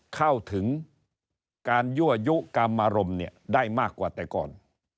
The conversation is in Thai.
เข้าถึงการยั่วยุกรรมอารมณ์เนี่ยได้มากกว่าแต่ก่อน